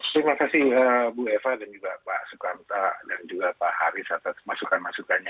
terima kasih bu eva dan juga pak sukamta dan juga pak haris atas masukan masukannya